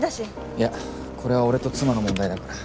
いやこれは俺と妻の問題だから。